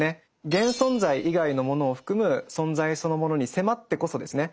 現存在以外のものを含む存在そのものに迫ってこそですね